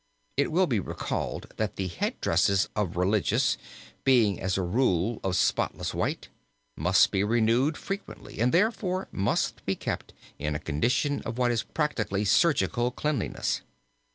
It will be recalled that the headdresses of religious, being as a rule of spotless white, must be renewed frequently and therefore must be kept in a condition of what is practically surgical cleanliness.